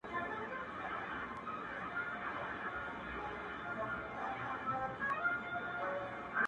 زه به له خپل دياره ولاړ سمه.